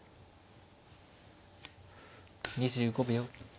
２５秒。